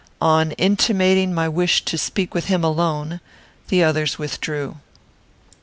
On intimating my wish to speak with him alone, the others withdrew.